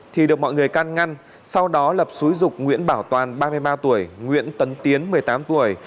thì được mọi người can ngăn sau đó lập xúi dục nguyễn bảo toàn ba mươi ba tuổi nguyễn tấn tiến một mươi tám tuổi